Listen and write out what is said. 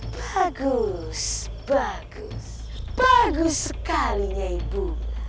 bagus bagus sekalinya ibu